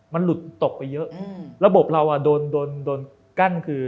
มันหลุดตกไปเยอะระบบเราอ่ะโดนโดนกั้นคือ